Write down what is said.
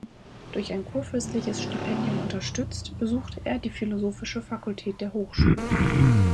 Durch ein kurfürstliches Stipendium unterstützt, besuchte er die philosophische Fakultät der Hochschule.